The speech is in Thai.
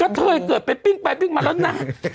ก็เคยเกิดไปปิ้งไปปิ้งมาแล้วนะ